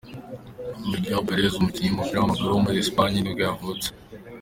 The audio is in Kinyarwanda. Miguel Pérez, umukinnyi w’umupira w’amaguru wo muri Espagne nibwo yavutse.